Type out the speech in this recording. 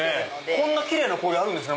こんな奇麗な氷あるんですね。